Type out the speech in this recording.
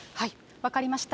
分かりました。